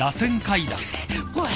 おい！